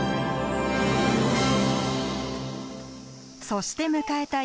そして迎えた